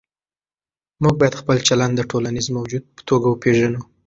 موږ باید خپل چلند د ټولنیز موجود په توګه وپېژنو.